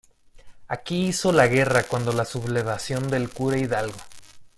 aquí hizo la guerra cuando la sublevación del cura Hidalgo.